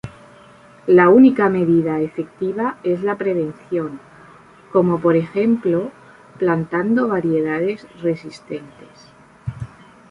La única medida efectiva es la prevención, como por ejemplo plantando variedades resistentes.